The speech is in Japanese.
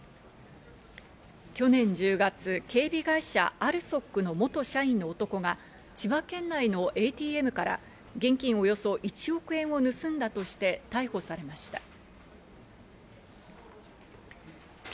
去年１０月、警備会社・ＡＬＳＯＫの元社員の男が千葉県内のＡＴＭから現金およそ１億円を盗んだとして逮捕されました。